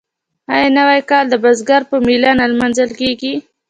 آیا نوی کال د بزګر په میله نه لمانځل کیږي؟